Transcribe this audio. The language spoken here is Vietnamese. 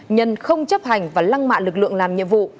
nhân không chấp hành và lăng mạ lực lượng làm nhiệm vụ